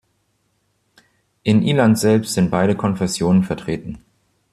In Ilanz selbst sind beide Konfessionen vertreten.